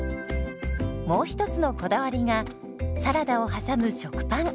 もう一つのこだわりがサラダを挟む食パン。